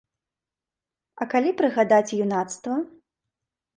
А калі прыгадаць юнацтва?